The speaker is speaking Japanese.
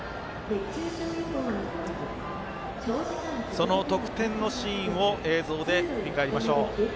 その得点のシーンを映像で振り返りましょう。